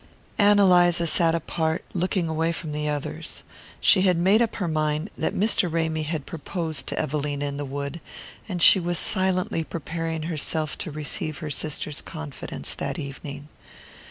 Ann Eliza sat apart, looking away from the others. She had made up her mind that Mr. Ramy had proposed to Evelina in the wood, and she was silently preparing herself to receive her sister's confidence that evening.